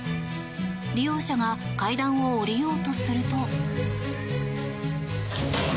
利用者が階段を下りようとすると。